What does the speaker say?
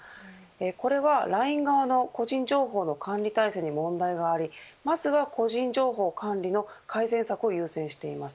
これはＬＩＮＥ側の個人情報の管理体制に問題がありまずは、個人情報管理の改善策を優先しています。